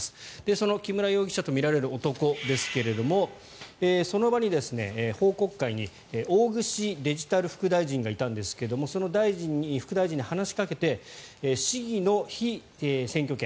その木村容疑者とみられる男ですがその場に報告会に大串デジタル副大臣がいたんですがその副大臣に話しかけて市議の被選挙権